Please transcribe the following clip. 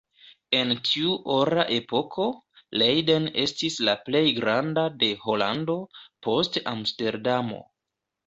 En tiu Ora Epoko, Leiden estis la plej granda de Holando, post Amsterdamo.